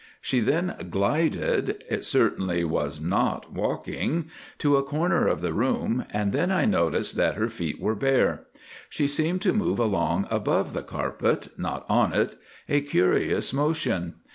She then glided—it certainly was not walking—to a corner of the room, and then I noticed that her feet were bare. She seemed to move along above the carpet—not on it—a curious motion.